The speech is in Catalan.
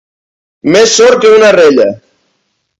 Més sord que una rella.